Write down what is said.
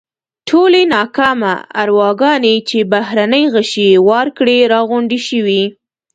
ټولې ناکامه ارواګانې چې بهرني غشي یې وار کړي راغونډې شوې.